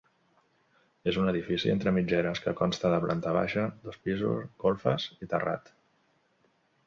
És un edifici entre mitgeres que consta de planta baixa, dos pisos, golfes i terrat.